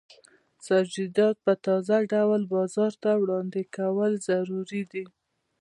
سبزیجات په تازه ډول بازار ته وړاندې کول ضروري دي.